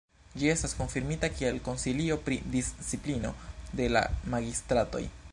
Ĝi estas konfirmita kiel konsilio pri disciplino de la magistratoj.